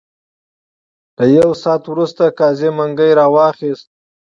له یو ساعت وروسته قاضي منګی را واخیست.